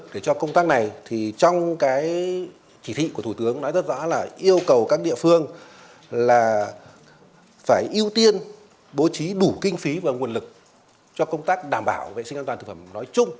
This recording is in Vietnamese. phải ưu tiên bố trí đủ kinh phí và nguồn lực cho công tác đảm bảo vệ sinh an toàn thực phẩm nói chung